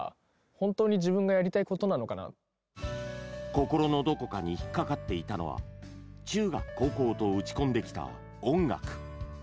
心のどこかに引っ掛かっていたのは中学、高校と打ち込んできた音楽。